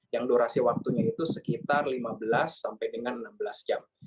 yang durasi waktunya itu sekitar lima belas sampai dengan enam belas jam